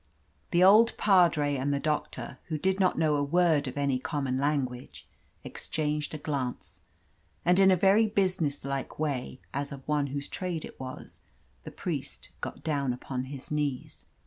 The old padre and the doctor, who did not know a word of any common language, exchanged a glance, and in a very business like way, as of one whose trade it was, the priest got down upon his knees.